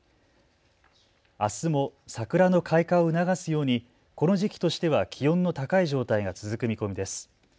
あすも桜の開花を促すようにこの時期としては気温の高い状態が続く見込みです。